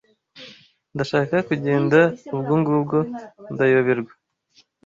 Ndashaka kugenda Ubwo ngubwo ndayoberwa